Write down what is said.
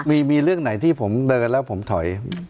มีเรื่องไหนที่ผมเดินแล้วผมถอย